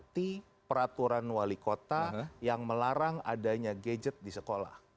mengikuti peraturan wali kota yang melarang adanya gadget di sekolah